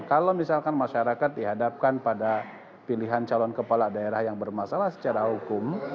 kalau misalkan masyarakat dihadapkan pada pilihan calon kepala daerah yang bermasalah secara hukum